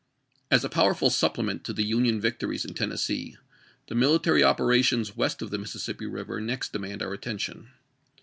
AS a powerful supplement to the Union victories i\ in Tennessee, the military operations west of the Mississippi River next demand our attention.